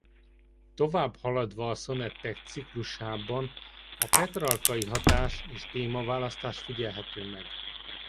Továbbhaladva a szonettek ciklusában a petrarcai hatás és témaválasztás figyelhető meg.